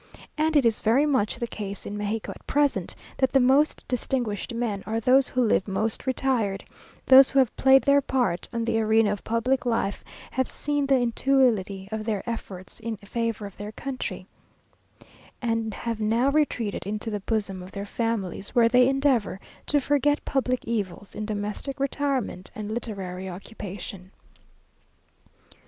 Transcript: And it is very much the case in Mexico at present, that the most distinguished men are those who live most retired; those who have played their part on the arena of public life, have seen the inutility of their efforts in favour of their country, and have now retreated into the bosom of their families, where they endeavour to forget public evils in domestic retirement and literary occupation.